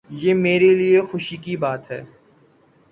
یہ میرے لیے خوشی کی بات ہے۔